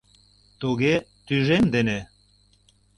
— Туге... тӱжем дене...